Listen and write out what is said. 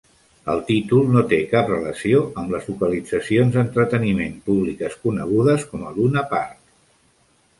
El títol no té cap relació amb les localitzacions d'entreteniment públiques conegudes com a Luna Park.